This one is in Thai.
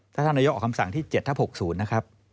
ถ้าท่านนายกออกคำสั่งที่๗ทับ๖๐นะครับ